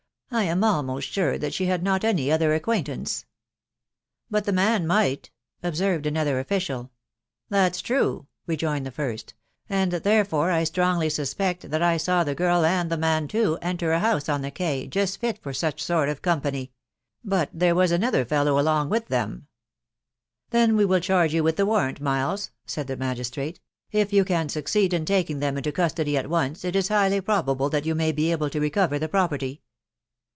I am almost awre that sbt had not any other acquaintance." *' But the man might," observed another official* " That's true/' rejoined the first, " and therefor* I strongly suspect that I saw the girl and the man too enter a house oe the quay just fit for such sort of company ;•>••.* hut there was another fellow along with them/* " Then we will charge you with the warrant, IfHea," said die magistrate. " If you can succeed in taking them into custody at once, it is highly probable that you may be able f» recover the property."